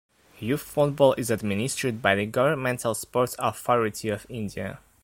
Youth football is administered by the governmental Sports Authority of India.